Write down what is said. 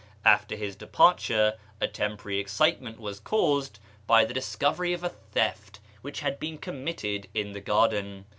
After his departure a temporary excitement was caused by the discovery of a theft which had been committed in the garden.